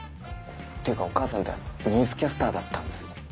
っていうかお義母さんってニュースキャスターだったんですね。